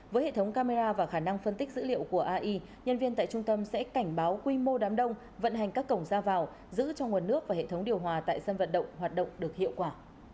với hệ thống camera và khả năng phân tích dữ liệu của ai nhân viên tại trung tâm sẽ cảnh báo quy mô đám đông vận hành các cổng ra vào giữ trong nguồn nước và hệ thống điều hòa tại sân vận động hoạt động được hiệu quả